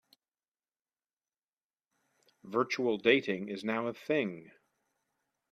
Virtual dating is now a thing.